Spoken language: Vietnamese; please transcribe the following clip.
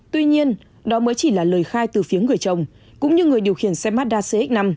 tuy nhiên đó mới chỉ là lời khai từ phía người chồng cũng như người điều khiển xe mazda cx năm